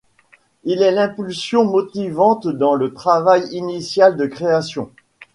Il est l'impulsion motivante dans le travail initial de création.